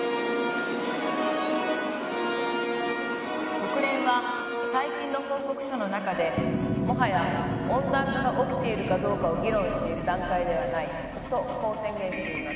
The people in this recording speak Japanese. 「国連は最新の報告書の中でもはや温暖化が起きているかどうかを議論している段階ではないとこう宣言しています」